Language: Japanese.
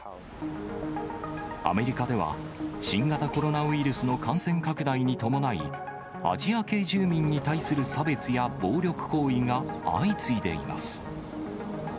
アメリカでは、新型コロナウイルスの感染拡大に伴い、アジア系住民に対する差別や暴力行為が相次いでいます。